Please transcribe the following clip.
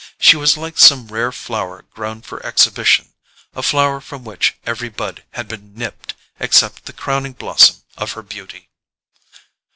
She was like some rare flower grown for exhibition, a flower from which every bud had been nipped except the crowning blossom of her beauty.